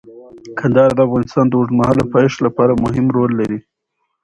کندهار د افغانستان د اوږدمهاله پایښت لپاره مهم رول لري.